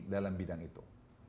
dalam bidang itu